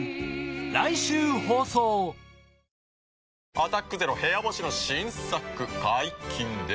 「アタックＺＥＲＯ部屋干し」の新作解禁です。